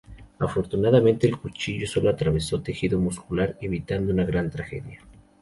Afortunadamente, el cuchillo solo atravesó tejido muscular, evitando una gran tragedia.